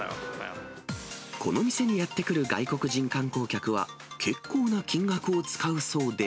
この店にやって来る外国人観光客は結構な金額を使うそうで。